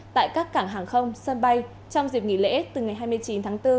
tại các cảng hàng không sân bay trong dịp nghỉ lễ từ ngày hai mươi chín tháng bốn